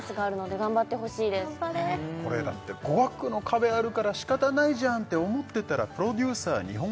頑張れこれだって語学の壁あるからしかたないじゃんって思ってたらプロデューサー日本語